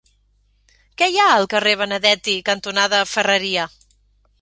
Què hi ha al carrer Benedetti cantonada Ferreria?